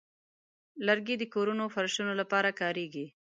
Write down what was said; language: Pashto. لرګی د کورونو فرشونو لپاره کاریږي.